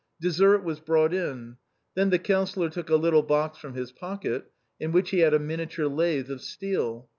Dessert was brought in ; then the Councillor took a little box from his pocket, in which he had a miniature lathe of steel.